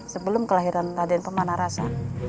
sebelum kelahiran raden pemanah rasa